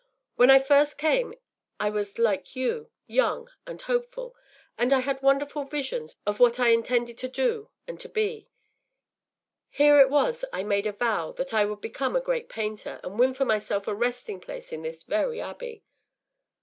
“When I first came I was like you, young and hopeful, and I had wonderful visions of what I intended to do and to be. Here it was I made a vow that I would become a great painter, and win for myself a resting place in this very abbey.